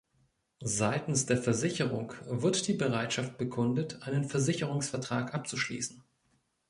Seitens der Versicherung wird die Bereitschaft bekundet einen Versicherungsvertrag abzuschließen.